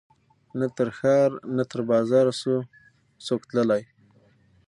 نه تر ښار نه تر بازاره سو څوک تللای